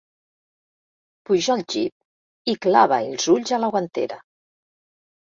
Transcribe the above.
Puja al jeep i clava els ulls a la guantera.